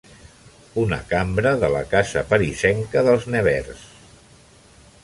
Una cambra de la casa parisenca dels Nevers.